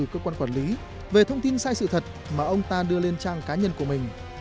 cơ quan quản lý về thông tin sai sự thật mà ông ta đưa lên trang cá nhân của mình